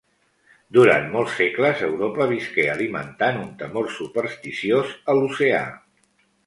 Durant molts segles, Europa visqué alimentant un temor supersticiós a l'oceà.